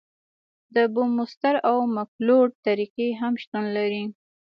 د بورمستر او مکلوډ طریقې هم شتون لري